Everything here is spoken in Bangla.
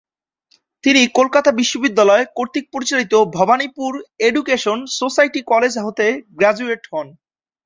তিনি "কলকাতা বিশ্ববিদ্যালয়"-কর্তৃক পরিচালিত ভবানীপুর এডুকেশন সোসাইটি কলেজ হতে গ্রাজুয়েট হন।